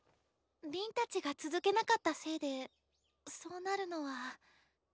凛たちが続けなかったせいでそうなるのは。